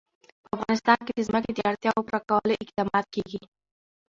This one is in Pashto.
په افغانستان کې د ځمکه د اړتیاوو پوره کولو اقدامات کېږي.